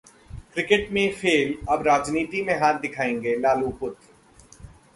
cricket में fail अब राजनीति में हाथ दिखाएंगे लालू पुत्र